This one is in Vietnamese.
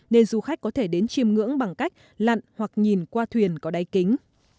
nên du khách có thể đến chiêm ngưỡng bằng cách lặn hoặc nhìn qua thuyền có đáy kính